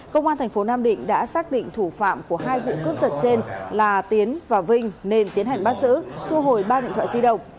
công an thành phố nam định đã xác định thủ phạm của hai vụ cướp giật trên là tiến và vinh nên tiến hành bắt giữ thu hồi ba điện thoại di động